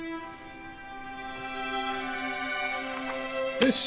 よし。